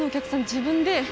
自分で。